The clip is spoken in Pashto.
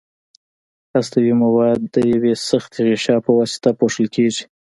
هستوي مواد د یوې سختې غشا په واسطه پوښل کیږي.